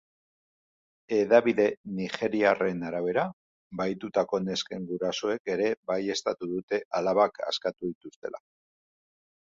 Hedabide nigeriarren arabera, bahitutako nesken gurasoek ere baieztatu dute alabak askatu dituztela.